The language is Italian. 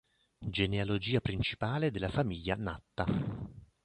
Genealogia principale della famiglia Natta.